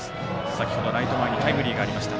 先ほどライト前にタイムリーがありました。